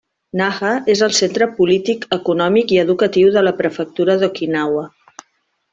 Naha és el centre polític, econòmic i educatiu de la prefectura d'Okinawa.